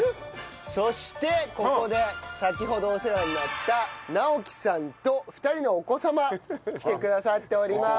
そしてここで先ほどお世話になった直樹さんと２人のお子様来てくださっておりまーす。